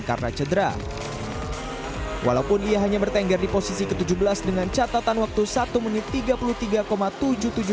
karena cedera walaupun ia hanya bertengger di posisi ke tujuh belas dengan catatan waktu satu menit tiga puluh tiga tujuh